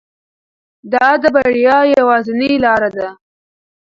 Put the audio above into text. دا د بریا یوازینۍ لاره ده.